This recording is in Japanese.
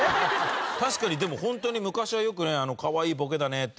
確かにでもホントに昔はよくねかわいいボケだねって。